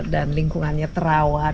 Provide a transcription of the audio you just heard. dan lingkungannya terawat